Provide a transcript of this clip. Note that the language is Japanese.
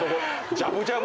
じゃぶじゃぶ！